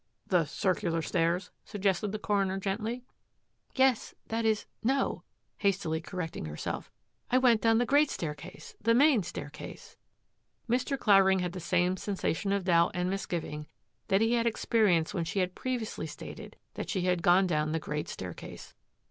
"The circular stairs?" suggested the coroner gently. " Yes — that is, no," hastily correcting herself. " I went down the great staircase — the main staircase." Mr. Clavering had the same sensation of doubt and misgiving that he had experienced when she had previously stated that she had gone down the great staircase.